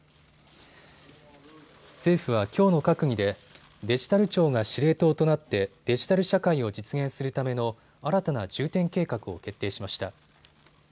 政府はきょうの閣議でデジタル庁が司令塔となってデジタル社会を実現するための新たな重点計画を決定しました。